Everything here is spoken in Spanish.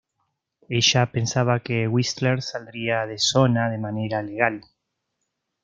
Ella pensaba que Whistler saldría de Sona de manera legal.